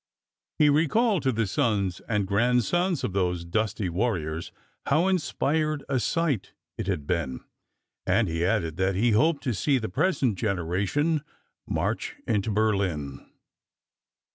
He recalled to the sons and grandsons of those dusty warriors how inspired a sight it had been, and he added that he hoped to see the present generation march into Berlin.